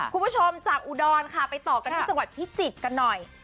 คุณผู้ชมจากอุดรค่ะไปต่อกันที่จังหวัดพิจิตรกันหน่อย